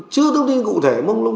chưa thông tin cụ thể mông lung